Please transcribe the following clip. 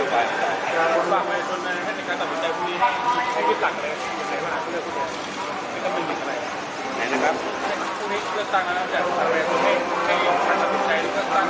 ให้การตรวจจ่ายฟังวิวทำไงกว่าทฤษภัณฑ์เพราะไหน